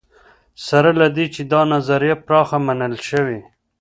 سره له دې چې دا نظریه پراخه منل شوې.